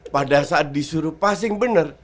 pada saat disuruh passing benar